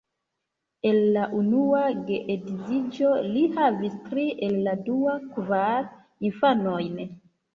El la unua geedziĝo li havis tri, el la dua kvar infanojn.